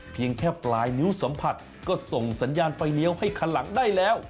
เพียงแค่ปลายนิ้วสัมผัสก็ส่งสัญญาณไฟเลี้ยวให้คันหลังได้แล้ว